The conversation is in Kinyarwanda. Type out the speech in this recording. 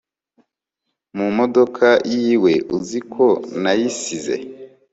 mumodoka yiwee uziko nayisize